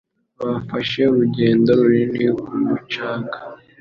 Bafashe urugendo runini ku mucanga